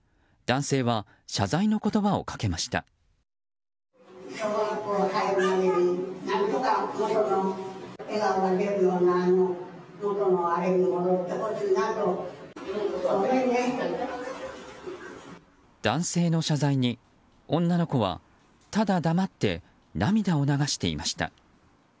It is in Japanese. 男性の謝罪に、女の子はただ黙って涙を流していました。